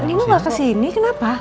nino nggak kesini kenapa